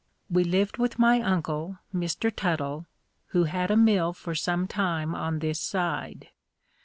We lived with my uncle, Mr. Tuttle, who had a mill for some time on this side.